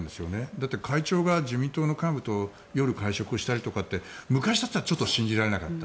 だって会長が自民党の幹部と夜に会食したりして昔だったらちょっと信じられなかった。